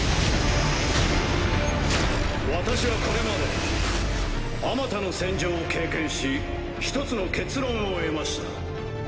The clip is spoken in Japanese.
私はこれまであまたの戦場を経験し一つの結論を得ました。